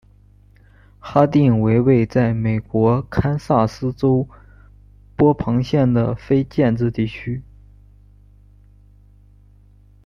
哈定为位在美国堪萨斯州波旁县的非建制地区。